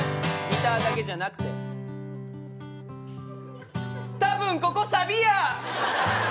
ギターだけじゃなくてたぶんここサビや！